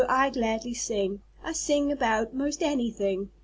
I gladly sing, I sing about most anything.